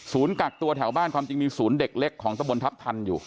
กักตัวแถวบ้านความจริงมีศูนย์เด็กเล็กของตะบนทัพทันอยู่